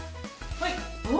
はい！